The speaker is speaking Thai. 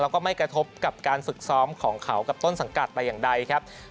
แล้วก็ไม่กระทบกับการฝึกซ้อมของเขากับต้นสังกัดแต่อย่างใดครับ